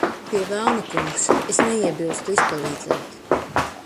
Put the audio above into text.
Pie velna, kungs. Es neiebilstu izpalīdzēt.